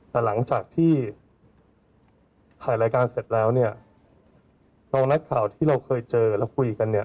แต่หลังจากที่ขายรายการเสร็จแล้วตรงนักข่าวที่เราเคยเจอและคุยกัน